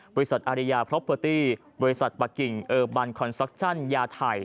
อาริยาพรอปเปอร์ตี้บริษัทปะกิ่งเออบันคอนซักชั่นยาไทย